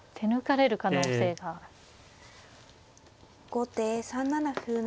後手３七歩成。